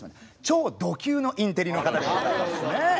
超ド級のインテリの方でございますね。